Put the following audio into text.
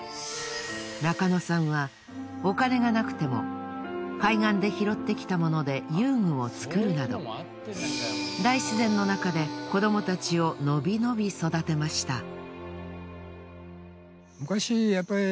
中野さんはお金がなくても海岸で拾ってきたもので遊具を作るなど大自然の中で子どもたちをのびのび育てました。